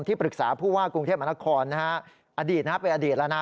ที่ปรึกษาผู้ว่ากรุงเทพมนาคมอดีตนะครับไปอดีตแล้วนะ